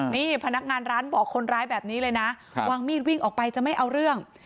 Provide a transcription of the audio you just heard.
นี่พนักงานร้านบอกคนร้ายแบบนี้เลยนะวางมีดวิ่งออกไปจะไม่เอาเรื่อง